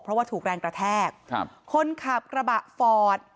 เพราะว่าถูกแรงกระแทกครับคนขับกระบะฟอร์ด